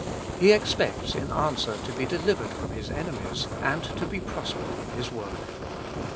He expects in answer to be delivered from his enemies, and to be prospered in his work.